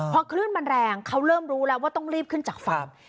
พอคลื่นมันแรงเขาเริ่มรู้แล้วว่าต้องรีบขึ้นจากฟาร์ม